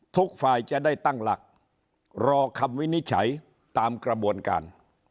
ทุกฝ่ายจะได้ตั้งหลักรอคำวินิจฉัยตามกระบวนการ